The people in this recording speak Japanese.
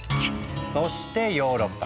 そしてヨーロッパ。